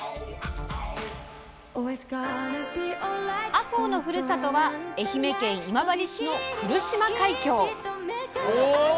あこうのふるさとは愛媛県今治市の来島海峡。